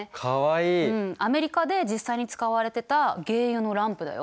アメリカで実際に使われてた鯨油のランプだよ。